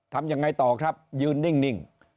ทำยังไงต่อครับยืนนิ่ง